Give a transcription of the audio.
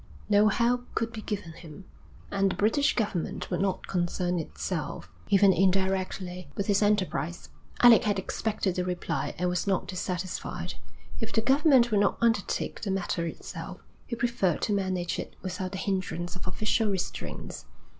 No help could be given him, and the British Government would not concern itself, even indirectly, with his enterprise. Alec had expected the reply and was not dissatisfied. If the government would not undertake the matter itself, he preferred to manage it without the hindrance of official restraints.